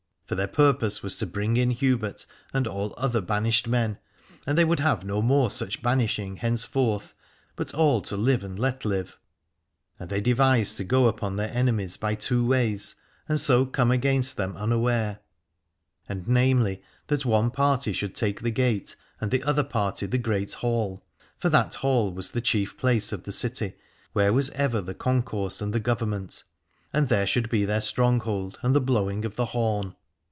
For their purpose was to bring in Hubert and all other banished men, and they would have no more such banishing hence forth, but all to live and let live. And they devised to go upon their enemies by two ways and so come against them unaware : and 335 Alad ore namely that one party should take the gate and the other party the great Hall. For that Hall was the chief place of the city, where was ever the concourse and the government : and there should be their stronghold and the blowing of the horn.